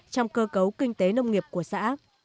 trong cơ cấu kinh tế nông nghiệp của xã